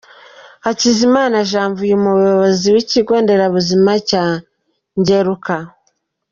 Hakizimana Janvier, umuyobozi w’ikigo nderabuzima cya Ngeruka.